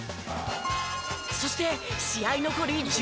そして試合残り１３秒。